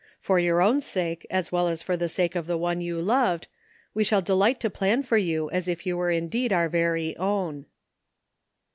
For your own sake, as well as for the sake of the one you loved, we shall de light to plan for you as if you were indeed our very own."